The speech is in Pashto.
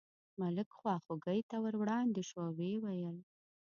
ملک خواخوږۍ ته ور وړاندې شو او یې وویل.